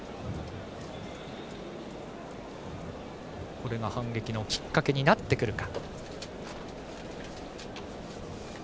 これが反撃のきっかけになってくるか。